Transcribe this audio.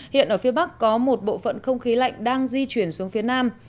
hiện ở phía bắc có một bộ phận không khí lạnh đang di chuyển xuống phía nam